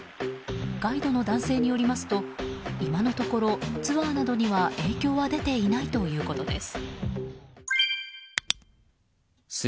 ガイドの男性によりますと今のところ、ツアーなどには影響は出ていないということです。